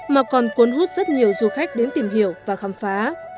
mà còn cuốn hút rất nhiều du khách đến tìm hiểu và khám phá